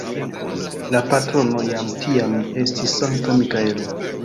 La patrono jam tiam estis Sankta Mikaelo.